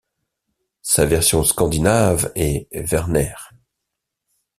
Sa version scandinave est Verner.